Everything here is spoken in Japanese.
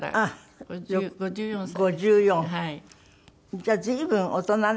じゃあ随分大人ね。